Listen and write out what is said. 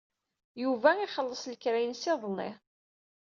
Yuba ixelleṣ lekra-nnes iḍelli.